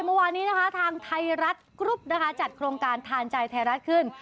เมื่อวานนี้นะคะทางไทยรัฐกรุ๊ปนะคะจัดโครงการทานใจไทยรัฐขึ้น